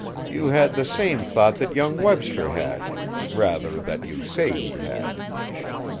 You had the same thought that young Webster had rather, that you say he had."